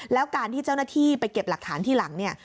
แล้วการที่เจ้าหน้าที่ไปเก็บหลักฐานที่หลังเนี่ย